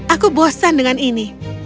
aku bosan dengan ini